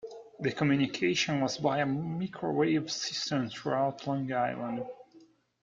The communication was by a microwave system throughout Long Island.